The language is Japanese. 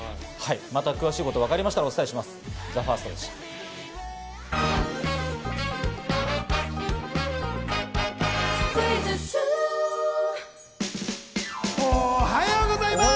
また詳しいことが分かりましたら、お伝えします。